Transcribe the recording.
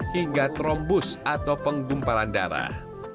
hingga trombus atau penggumpalan darah